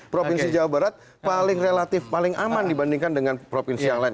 provinsi jawa barat paling relatif paling aman dibandingkan dengan provinsi yang lain